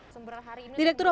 seberapa hari ini